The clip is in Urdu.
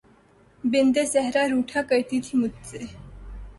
بنت صحرا روٹھا کرتی تھی مجھ سے